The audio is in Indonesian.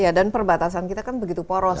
ya dan perbatasan kita kan begitu poros